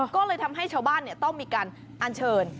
ก็เลยทำให้ชาวบ้านต้องมีการอัญเชิญ